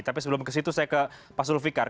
tapi sebelum ke situ saya ke pak zulfikar